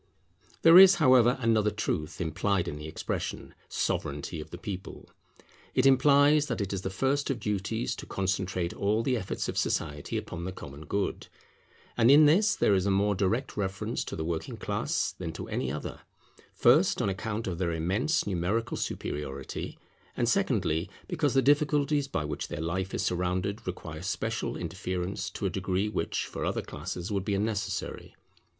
There is, however, another truth implied in the expression, Sovereignity of the people. It implies that it is the first of duties to concentrate all the efforts of society upon the common good. And in this there is a more direct reference to the working class than to any other; first, on account of their immense numerical superiority, and, secondly, because the difficulties by which their life is surrounded require special interference to a degree which for other classes would be unnecessary.